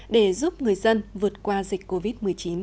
để giúp người dân vượt qua dịch covid một mươi chín